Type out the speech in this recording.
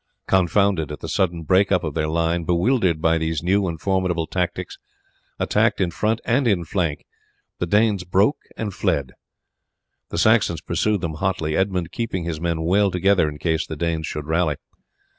Confounded at the sudden break up of their line, bewildered by these new and formidable tactics, attacked in front and in flank, the Danes broke and fled. The Saxons pursued them hotly, Edmund keeping his men well together in case the Danes should rally.